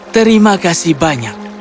terima kasih banyak